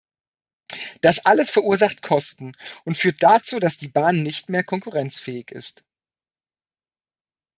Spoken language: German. Das alles verursacht Kosten und führt dazu, dass die Bahn nicht mehr konkurrenzfähig ist.